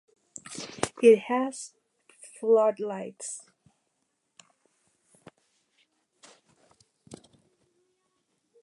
It has floodlights.